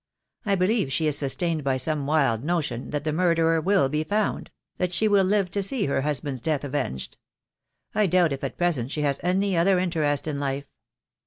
I believe she is sustained by some wild notion that the murderer will be found — that she will live to see her husband's death avenged. I doubt if at present she has any other interest in life."